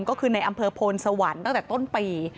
ก็คือในอำเภอโพนสวรรค์ตั้งแต่ต้นปี